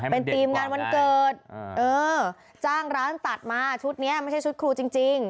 เป็นทีมงานวันเกิดจ้างร้านตัดมาชุดนี้ไม่ใช่ชุดครูจริง